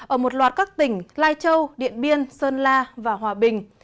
ở một loạt các tỉnh lai châu điện biên sơn la và hòa bình